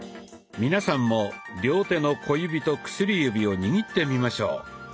皆さんも両手の小指と薬指を握ってみましょう。